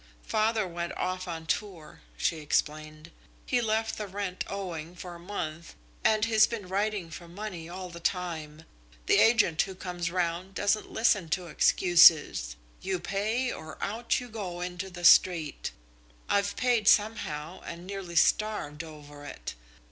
"Father went off on tour," she explained. "He left the rent owing for a month, and he's been writing for money all the time. The agent who comes round doesn't listen to excuses. You pay, or out you go into the street. I've paid somehow and nearly starved over it.